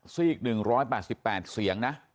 ซีก๑๘๘เสียงนะ